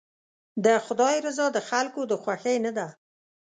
د خدای رضا د خلکو د خوښۍ نه ده.